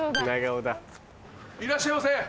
いらっしゃいませ！